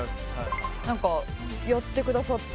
なんかやってくださって。